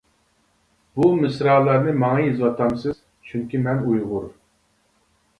بۇ مىسرالارنى ماڭا يېزىۋاتامسىز، چۈنكى مەن ئۇيغۇر.